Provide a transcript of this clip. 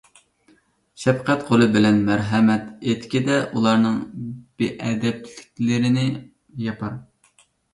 شەپقەت قولى بىلەن مەرھەمەت ئېتىكىدە ئۇلارنىڭ بىئەدەپلىكلىرىنى ياپار.